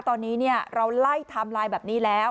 ตอนนี้เราไล่ไทม์ไลน์แบบนี้แล้ว